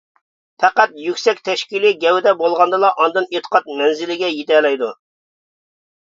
پەقەت يۈكسەك تەشكىلىي گەۋدە بولغاندىلا ئاندىن ئېتىقاد مەنزىلىگە يىتەلەيدۇ.